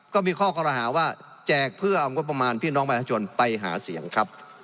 ก็มีข้อกรหาว่าแจกเพื่อเอางบประมาณพี่น้องประชาชนไปหาเสียงครับ